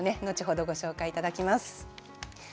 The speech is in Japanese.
後ほどご紹介頂きます。